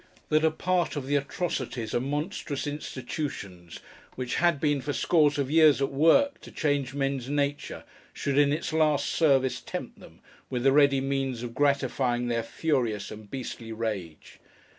That a part of the atrocities and monstrous institutions, which had been, for scores of years, at work, to change men's nature, should in its last service, tempt them with the ready means of gratifying their furious and beastly rage!